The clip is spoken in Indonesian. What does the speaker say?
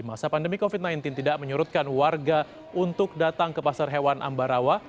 masa pandemi covid sembilan belas tidak menyurutkan warga untuk datang ke pasar hewan ambarawa